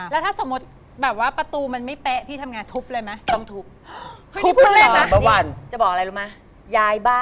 แล้วถ้าสมมติประตูมันไม่แป๊บพี่ทำงานทุบเลยมั้ย